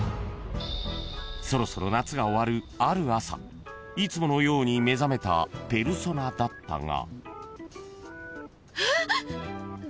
［そろそろ夏が終わるある朝いつものように目覚めたペルソナだったが］